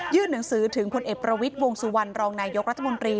ยื่นหนังสือถึงคนเอ็ดประวิทวงศ์สุวรรณรองนายโยครรตมนตรี